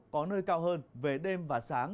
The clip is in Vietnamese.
có nơi cao hơn về đêm và sáng